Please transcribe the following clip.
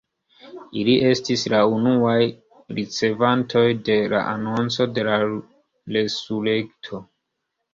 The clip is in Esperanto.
Ili estis la unuaj ricevantoj de la anonco de la resurekto.